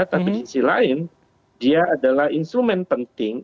tapi di sisi lain dia adalah instrumen penting